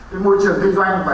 với môi trường kinh doanh và